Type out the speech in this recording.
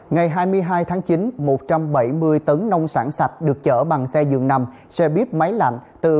ngày hai mươi hai tháng chín một trăm bảy mươi tấn nông sản sạch được chở bằng xe dường nằm xe buýt máy lạnh